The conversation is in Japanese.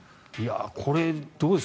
これ、どうです？